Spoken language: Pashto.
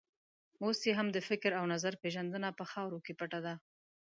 اوس یې هم د فکر او نظر پېژندنه په خاورو کې پټه ده.